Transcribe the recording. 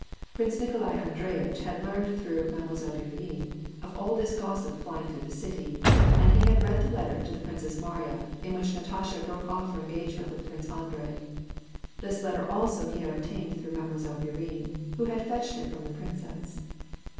Prince Nikolai Andreyitch had learned through Mademoi selle Bourienne of all this gossip flying through the city, and he had read the letter to the Princess Mariya, in which Natasha broke off her engagement with Prince Andrei. This letter also he had obtained through Mademoiselle Bourienne, who had fetched it from the princess.